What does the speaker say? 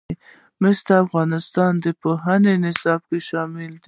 مس د افغانستان د پوهنې نصاب کې شامل دي.